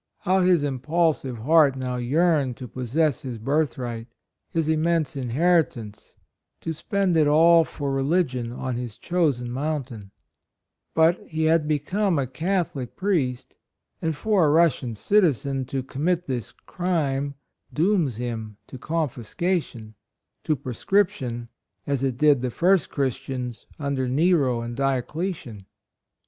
How his impulsive heart now yearned to possess his birth right, his immense inheritance to spend it 6 58 HIS COLONY, all for religion on his chosen moun tain ; but he had become a Catholic priest, and for a Russian citizen to commit this crime dooms him to confiscation — to proscription, as it did the first Christians under Nero and Diocletian.